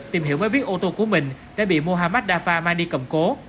tìm hiểu mới biết ô tô của mình đã bị muhammad dafa mang đi cầm cố